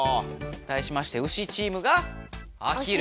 対しましてウシチームが「あひる」。